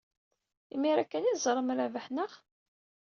Imir-a kan ay teẓram Rabaḥ, naɣ?